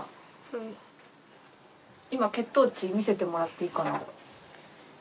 今血糖値見せてもらっていいかな？